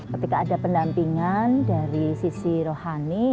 ketika ada pendampingan dari sisi rohani